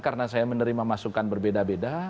karena saya menerima masukan berbeda beda